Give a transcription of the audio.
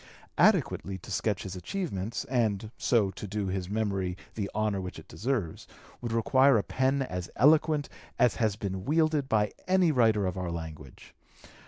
Adequately to sketch his achievements, and so to do his memory the honor which it deserves, would require a pen as eloquent as has been wielded by any writer of our language.